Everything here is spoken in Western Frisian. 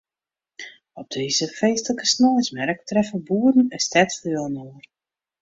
Op dizze feestlike sneinsmerk treffe boeren en stedslju inoar.